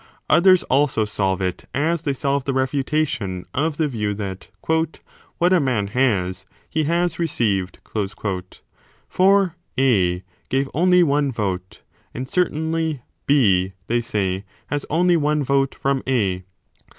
Others also solve it as they solve the refutation of the view that what a man has, he has received : for A gave only one vote ; and certainly B, they say, has only one vote from A.